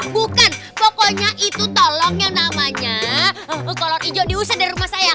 bukan pokoknya itu tolong yang namanya kolor hijau diusir dari rumah saya